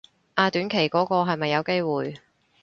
啊短期嗰個係咪有機會